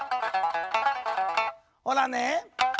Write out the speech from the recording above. ほらね！